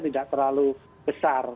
tidak terlalu besar